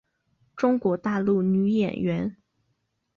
中国大陆女演员。